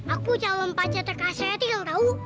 aku calon pacar terkasih etil tau